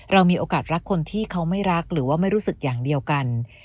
เรามีโอกาสรักคนที่เขาไม่รักหรือว่าไม่รู้สึกอย่างเดียวกัน